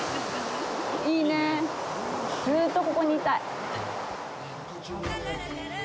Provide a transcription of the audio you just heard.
いいね、ずっとここにいたい。